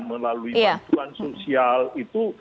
melalui bantuan sosial itu